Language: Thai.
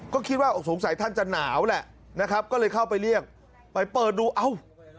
ก็คิดว่าสงสัยท่านจะหนาวแหละนะครับก็เลยเข้าไปเรียกไปเปิดดูเอ้า